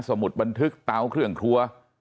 มุดบันทึกเตาเครื่องครัว